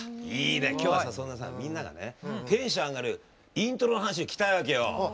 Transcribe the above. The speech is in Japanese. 今日はさ、そんなみんながテンション上がるイントロの話を聞きたいわけよ。